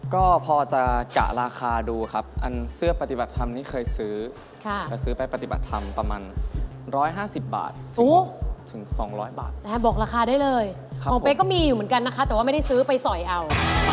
ก็มีอยู่เหมือนกันนะคะแต่ว่าไม่ได้ซื้อไปสอยเอา